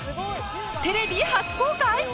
テレビ初公開！？